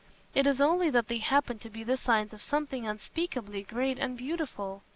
It is only that they happen to be the signs of something unspeakably great and beautiful.